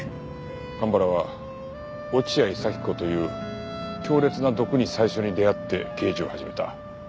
蒲原は落合佐妃子という強烈な毒に最初に出会って刑事を始めた。